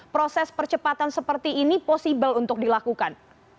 proses percepatan seperti ini possible untuk dilakukan